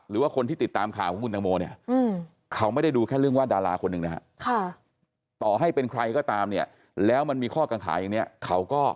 หรือว่าคนที่ติดตามข่าวของขุนบุญทังโม